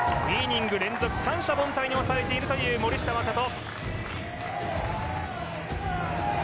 ２イニング連続三者凡退に抑えているという森下暢仁。